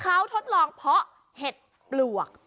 เขาทดลองเพาะเห็ดปลวก